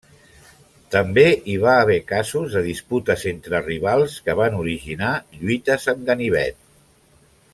També hi va haver casos de disputes entre rivals que van originar lluites amb ganivet.